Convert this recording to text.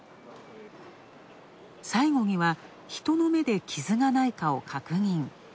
最後には人の目で傷がないかを確認。